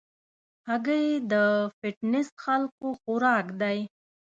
هګۍ د فټنس خلکو خوراک دی.